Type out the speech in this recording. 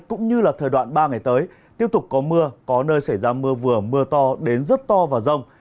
cũng như là thời đoạn ba ngày tới tiếp tục có mưa có nơi xảy ra mưa vừa mưa to đến rất to và rông